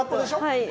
はい。